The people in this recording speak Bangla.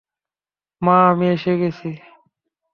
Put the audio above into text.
মা, আমি এসে গেছি!